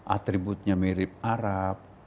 atributnya mirip arab